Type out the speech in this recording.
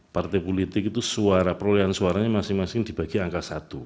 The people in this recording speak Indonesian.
partai politik itu suara perolehan suaranya masing masing dibagi angka satu